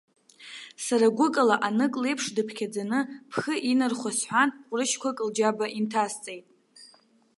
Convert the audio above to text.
Сара гәыкала, анык леиԥш дыԥхьаӡаны, бхы инархәа сҳәан, ҟәрышьқәак лџьыба инҭасҵеит.